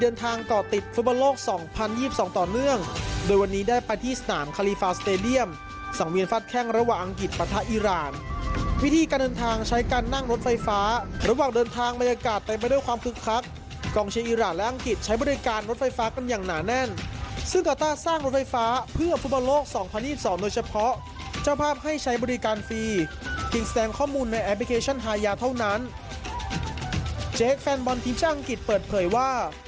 ในแอปพลิเคชันฮายาเท่านั้นเจคแฟนบอลทิปเชีย์อังกฤษเปิดเผยว่า